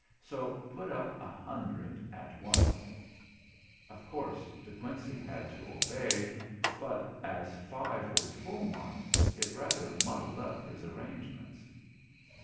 "So put up a hundred at once !" Of course De Quincey had to obey; but as five was full marks, it rather muddled up his arrangements.